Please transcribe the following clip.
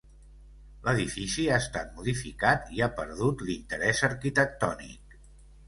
L’edifici ha estat modificat i ha perdut l’interès arquitectònic.